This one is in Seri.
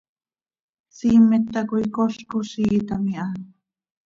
Siimet tacoi col coziiitam iha.